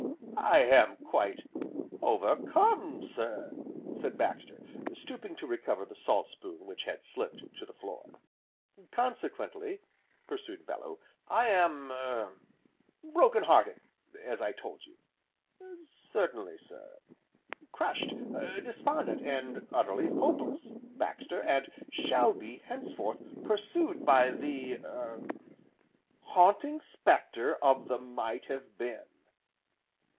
"I am quite over come, sir!" said Baxter, stooping to recover the salt spoon which had slipped to the floor. "Consequently," pursued Bellew, "I am er broken hearted, as I told you " "Certainly, sir." "Crushed, despondent, and utterly hopeless, Baxter, and shall be, henceforth, pursued by the er Haunting Spectre of the Might Have Been."